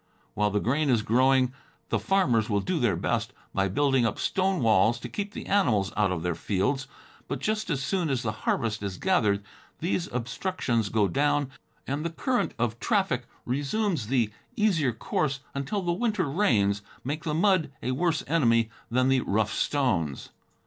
While the grain is growing the farmers will do their best, by building up stone walls, to keep the animals out of their fields, but just as soon as the harvest is gathered these obstructions go down and the current of traffic resumes the easier course until the winter rains make the mud a worse enemy than the rough stones.